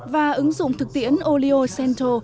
và ứng dụng thực tiễn oleo centro